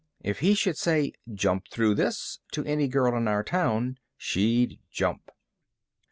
If he should say "Jump through this!" to any girl in our town she'd jump.